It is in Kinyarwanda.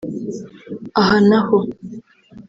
Aha na ho